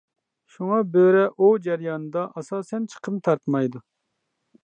شۇڭا بۆرە ئوۋ جەريانىدا ئاساسەن چىقىم تارتمايدۇ.